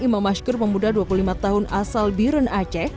memasykur pemuda dua puluh lima tahun asal birun aceh